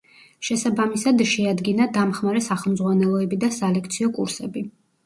შესაბამისად შეადგინა დამხმარე სახელმძღვანელოები და სალექციო კურსები.